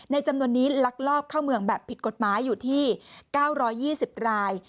ในจำนวนนี้ลักลอบเข้าเมืองแบบผิดกฎหมายอยู่ที่เก้าร้อยยี่สิบราย